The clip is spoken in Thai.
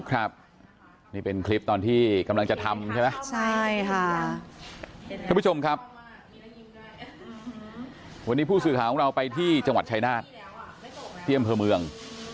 ไปที่จังหวัดชายนาฏเตี้ยมเพอเมือง